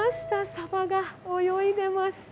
サバが泳いでます。